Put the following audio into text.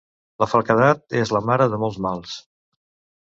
La flaquedat és la mare de molts mals.